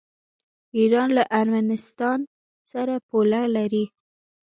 ایران له ارمنستان سره پوله لري.